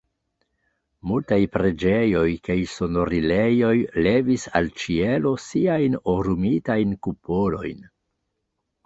Multaj preĝejoj kaj sonorilejoj levis al ĉielo siajn orumitajn kupolojn.